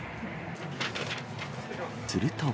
すると。